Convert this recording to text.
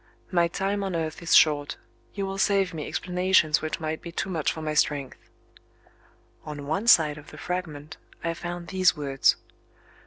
"My time on earth is short; you will save me explanations which may be too much for my strength." On one side of the fragment, I found these words